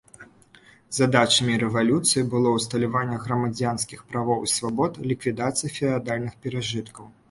Задачамі рэвалюцыі было ўсталяванне грамадзянскіх правоў і свабод, ліквідацыя феадальных перажыткаў.